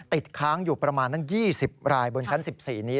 ติดค้างอยู่ประมาณทั้ง๒๐รายบนชั้น๑๔นี้